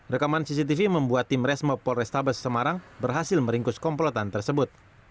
rekaman cctv membuat tim resmo polrestabes semarang berhasil meringkus komplotan tersebut